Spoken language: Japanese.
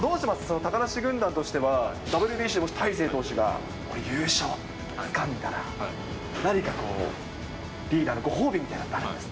高梨軍団としてはＷＢＣ、もし大勢投手が優勝つかんだら、何かこう、リーダーのご褒美みたいなのあるんですか？